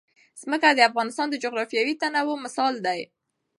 ځمکه د افغانستان د جغرافیوي تنوع مثال دی.